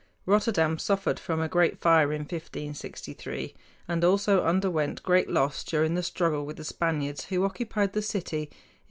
Rotterdam suffered from a great fire in 1563, and also underwent great loss during the struggle with the Spaniards who occupied the city in 1572.